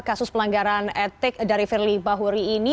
kasus pelanggaran etik dari firly bahuri ini